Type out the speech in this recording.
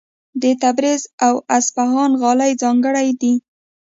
د تبریز او اصفهان غالۍ ځانګړې دي.